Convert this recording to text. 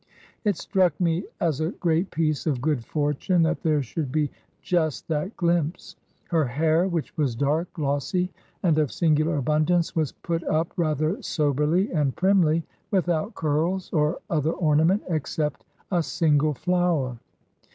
It struck me as a great piece of good fortune that there should be just that glimpse. Her hair, which was dark, glossy, and of singular abimdance, was put up rather soberly and primly, without curls, or other ornament, except a single flower.